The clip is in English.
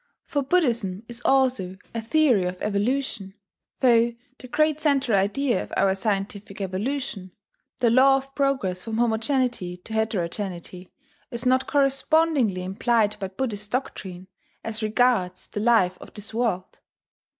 For Buddhism is also a theory of evolution, though the great central idea of our scientific evolution (the law of progress from homogeneity to heterogeneity) is not correspondingly implied by Buddhist doctrine as regards the life of this world.